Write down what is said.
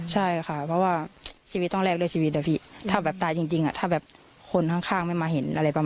ให้ดำเนินการยังไงบ้างถ้าถือว่าสืบสวนแล้วความ